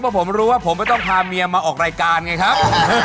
เพราะผมรู้ว่าผมไม่ต้องพาเมียมาออกรายการไงครับ